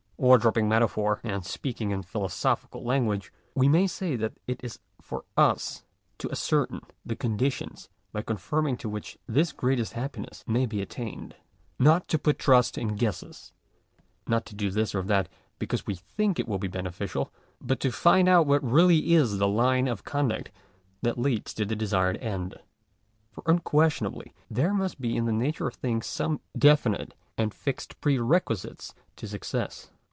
Or dropping metaphor, and speaking in philosophical lan guage, we may say that it is for us to ascertain the conditions by conforming to which this greatest happiness may be at tained. Not to put trust in guesses : not to do this or that, because we think it will be beneficial : but to find out what really is the line of conduct that leads to the desired end. For unquestionably there must be in the nature of things some definite and fixed pre requisites to success.